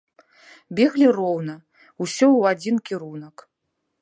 Беглі роўна, усё ў адзін кірунак.